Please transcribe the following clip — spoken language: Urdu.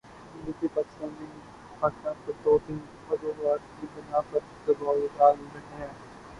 امریکی پاکستان پر دو تین وجوہات کی بنا پر دبائو ڈال رہے ہیں۔